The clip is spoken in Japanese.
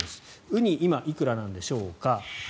ウニ、今いくらなんでしょうか。